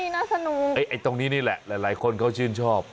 น่าสนุกตรงนี้นี่แหละหลายคนเขาชื่นชอบ